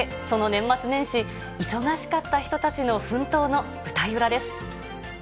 その年末年始、忙しかった人たちの奮闘の舞台裏です。